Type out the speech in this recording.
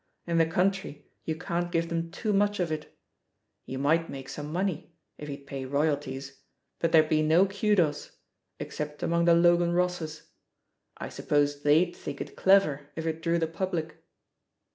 In the country you can't give them too much of it. You might make some money — ^if he'd pay royalties — ^but there'd be no kudos — except among the Logan Rosses; I suppose thej/d think it clever if it drew the public."